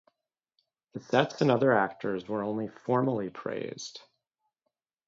The sets and other actors were only formally praised.